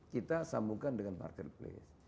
kita sambungkan dengan marketplace